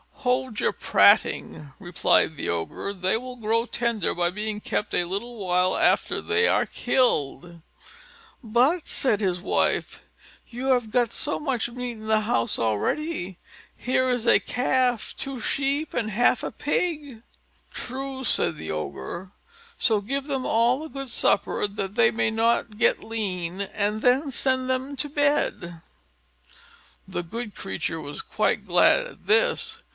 "Hold your prating," replied the Ogre; "they will grow tender by being kept a little while after they are killed." "But," said his wife, "you have got so much meat in the house already; here is a calf, two sheep and half a pig." "True," said the Ogre, "so give them all a good supper, that they may not get lean, and then send them to bed." The good creature was quite glad at this.